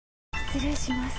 失礼します。